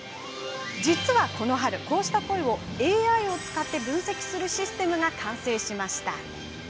実はこの春、こうした声をＡＩを使って分析するシステムが完成しました。